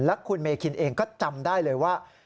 และคุณเมคินเองก็จำได้เลยว่า